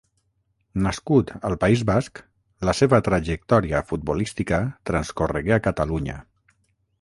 Nascut al País Basc, la seva trajectòria futbolística transcorregué a Catalunya.